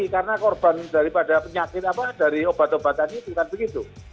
karena korban daripada penyakit apa dari obat obatannya bukan begitu